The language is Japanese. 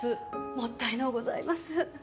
もったいのうございます。